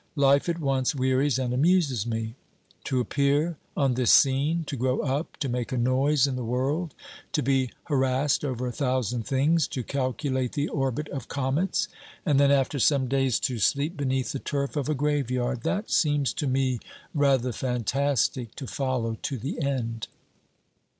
Life at once wearies and amuses me. To appear on this scene, to grow up, to make a noise in the world, to be harassed over a thousand things, to calculate the orbit of comets, and then after some dajs to OBERMANN; 331 sleep beneath the turf of a graveyard; that seems to me rather fantastic to follow to the end.